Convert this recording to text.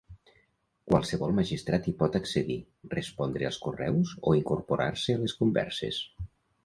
Qualsevol magistrat hi pot accedir, respondre als correus o incorporar-se a les converses.